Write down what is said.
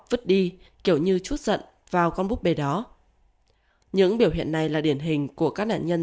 vứt đi kiểu như chút giận vào con búp bê đó những biểu hiện này là điển hình của các nạn nhân